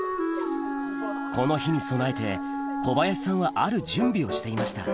この日に備えて小林さんはある準備をしていました